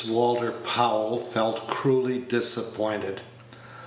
Walter Powell felt cruelly disappointed.